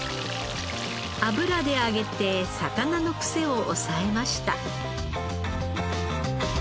油で揚げて魚のクセを抑えました。